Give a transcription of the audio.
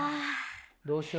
どうしよう？